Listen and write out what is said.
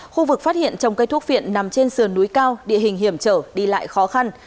khu vực phát hiện trồng cây thuốc viện nằm trên sườn núi cao địa hình hiểm trở đi lại khó khăn